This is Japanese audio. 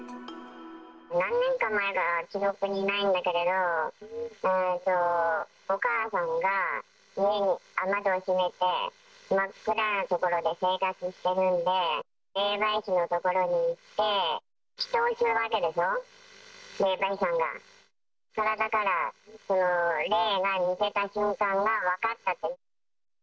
何年か前か記憶にないんだけれど、お母さんが、家の雨戸を閉めて、真っ暗な所で生活してるんで、霊媒師のところに行って、祈とうするわけでしょ、霊媒師さんが、体から、その霊が抜けた瞬間が分かったって。